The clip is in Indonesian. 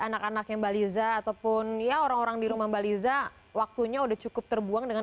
anak anaknya mbak liza ataupun ya orang orang di rumah mbak liza waktunya udah cukup terbuang dengan